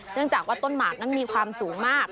เนื่องจากว่าต้นหมากนั้นมีความสูงมาก